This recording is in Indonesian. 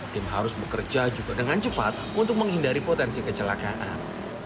tim harus bekerja juga dengan cepat untuk menghindari potensi kecelakaan